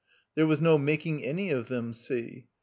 There was no making any of them see.